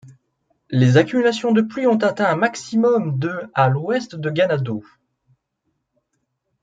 Les accumulations de pluie ont atteint un maximum de à l'ouest de Ganado.